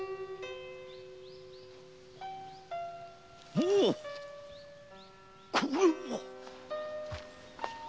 おうこれは！？